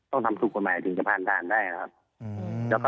ต้องทำถูกบทมายถึงจะผ่านทางได้ครับ